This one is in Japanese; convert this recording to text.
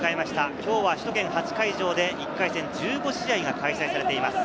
今日は首都圏８会場で１回戦１５試合が開催されています。